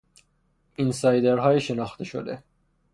اینسایدرهای شناخته شده